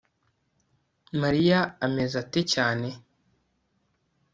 mariya ameze ate cyane